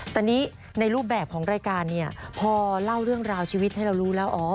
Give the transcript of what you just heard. แต่นี่ในรูปแบบของรายการเนี่ยพอเล่าเรื่องราวชีวิตให้เรารู้แล้ว